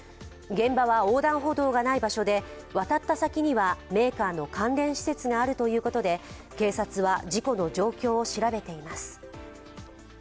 現場は横断歩道がない場所で、渡った先にはメーカーの関連施設があるということで、警察は事故の状況を調べています。